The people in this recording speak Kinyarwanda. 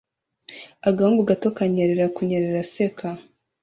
Agahungu gato kanyerera kunyerera aseka